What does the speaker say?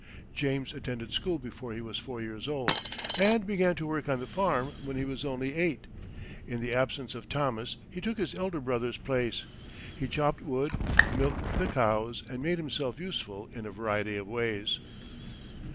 James attended school before he was four years old, and began to work on the farm when he was only eight. In the absence of Thomas he took his elder brother's place. He chopped wood, milked the cows, and made himself useful in a variety of ways.